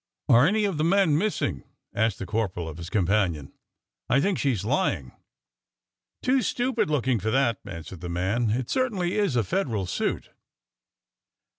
'' Are any of the men missing ?" asked the corporal of his companion. '' I think she 's lying." Too stupid looking for that," answered the man. It certainly is a Federal suit."